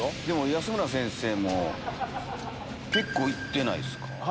でも吉村先生も結構行ってないですか？